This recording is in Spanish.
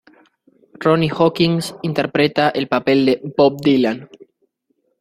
Ronnie Hawkins interpreta el papel de "Bob Dylan".